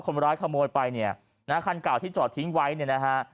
คนร้ายขโมยไปเนี่ยนะฮะคันเก่าที่จอดทิ้งไว้เนี่ยนะฮะ